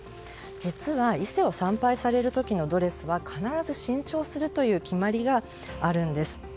実は伊勢を参拝される時のドレスは必ず新調するという決まりがあるんです。